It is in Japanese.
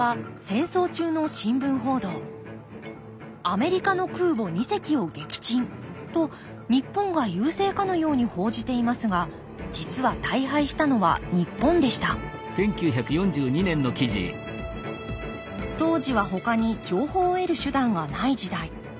「アメリカの空母二隻を撃沈」と日本が優勢かのように報じていますが実は大敗したのは日本でした当時はほかに情報を得る手段がない時代。